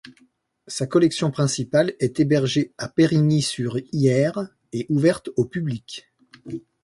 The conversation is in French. Sa collection principale est hébergée à Périgny-sur-Yerres et ouverte au public.